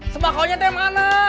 sembakaunya teh mana